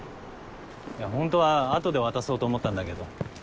いやホントは後で渡そうと思ったんだけど。